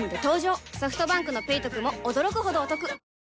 ソフトバンクの「ペイトク」も驚くほどおトク